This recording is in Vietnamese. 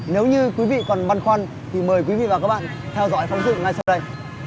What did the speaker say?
nếu như quý vị còn băn khoăn thì mời quý vị và các bạn theo dõi phóng sự ngay sau đây